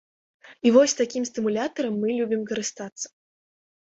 І вось такім стымулятарам мы любім карыстацца!